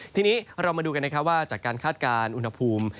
ทีนี้มาดูกันว่าจากการคาดการย์อุณหภูมิ